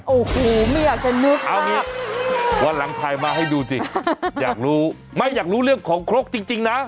โอ้โหไม่อยากจะนึกเอางี้วันหลังถ่ายมาให้ดูสิอยากรู้ไม่อยากรู้เรื่องของครกจริงนะ